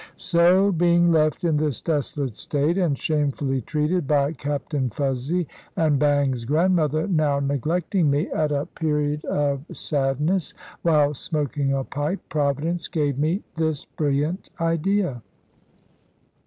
So being left in this desolate state, and shamefully treated by Captain Fuzzy, and Bang's grandmother now neglecting me, at a period of sadness, while smoking a pipe, Providence gave me this brilliant idea.